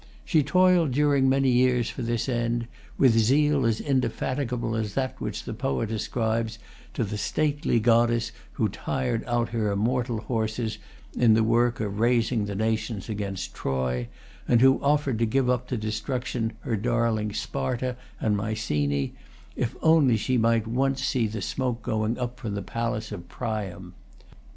She toiled during many years for this end, with zeal as indefatigable as that which the poet ascribes to the stately goddess who tired out her immortal horses in the work of raising the nations against Troy, and who offered to give up to destruction her darling Sparta and Mycenæ, if only she might once see the smoke going up from the palace of Priam.